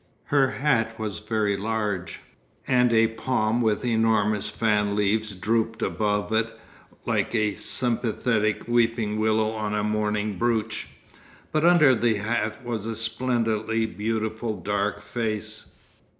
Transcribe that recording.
Her hat was very large, and a palm with enormous fan leaves drooped above it like a sympathetic weeping willow on a mourning brooch. But under the hat was a splendidly beautiful dark face.